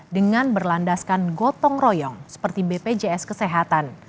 dengan berlandaskan gotong royong seperti bpjs kesehatan